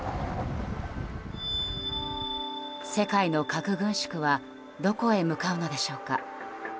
世界の核軍縮はどこへ向かうのでしょうか。